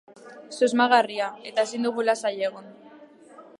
Susmagarria eta ezin dugu lasai egon.